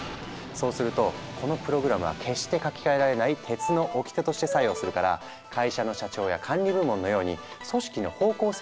そうするとこのプログラムは決して書き換えられない「鉄の掟」として作用するから会社の社長や管理部門のように組織の方向性を示す役割を果たすんだ。